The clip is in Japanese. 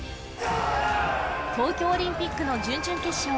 東京オリンピックの準々決勝